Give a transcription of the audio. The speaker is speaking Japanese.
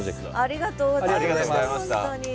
ありがとうございました本当に。